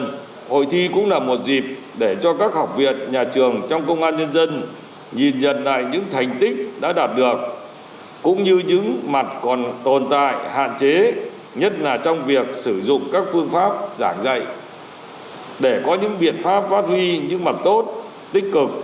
trong đó hội thi cũng là một dịp để cho các học viện nhà trường trong công an nhân dân nhìn nhận lại những thành tích đã đạt được cũng như những mặt còn tồn tại hạn chế nhất là trong việc sử dụng các phương pháp giảng dạy để có những biện pháp phát huy những mặt tốt tích cực